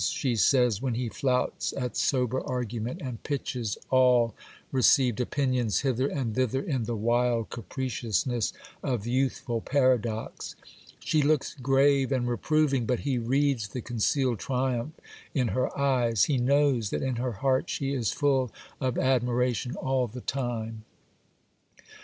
she says, when he flouts at sober argument and pitches all received opinions hither and thither in the wild capriciousness of youthful paradox. She looks grave and reproving; but he reads the concealed triumph in her eyes,—he knows that in her heart she is full of admiration all the time.